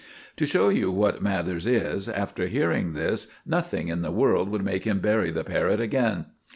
To show you what Mathers is, after hearing this, nothing in the world would make him bury the parrot again.